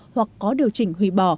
hoặc có điều chỉnh hủy bỏ